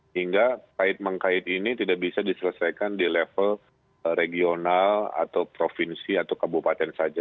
hingga kait mengkait ini tidak bisa diselesaikan di level regional atau provinsi atau kabupaten saja